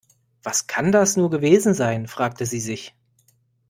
Was kann das nur gewesen sein, fragte sie sich.